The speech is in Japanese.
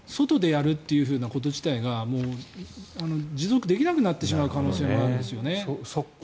農業自体が外でやるということ自体が持続できなくなってしまう可能性もあるわけですよね。